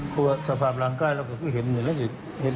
เพราะว่าสภาพร่างใกล้เราจะคงเห็น